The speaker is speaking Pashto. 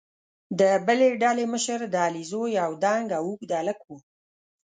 د بلې ډلې مشر د علیزو یو دنګ او اوږد هلک وو.